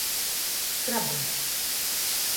Skrabyns.